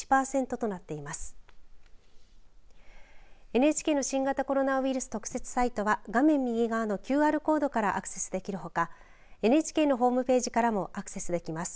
ＮＨＫの新型コロナウイルス特設サイトは画面右側のＱＲコードからアクセスできるほかＮＨＫのホームページからもアクセスできます。